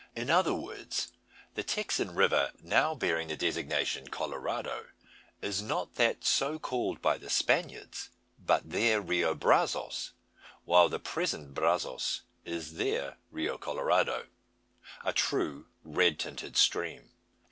In other words, the Texan river now bearing the designation Colorado is not that so called by the Spaniards, but their Rio Brazos; while the present Brazos is their Rio Colorado a true red tinted stream.